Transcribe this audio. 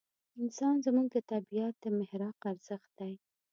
انسان زموږ د طبعیت د محراق ارزښت دی.